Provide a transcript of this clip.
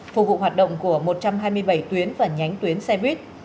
phục vụ hoạt động của một trăm hai mươi bảy tuyến và nhánh tuyến xe buýt